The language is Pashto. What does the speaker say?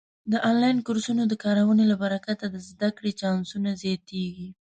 د آنلاین کورسونو د کارونې له برکته د زده کړې چانسونه زیاتېږي.